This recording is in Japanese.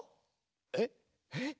えっえっ？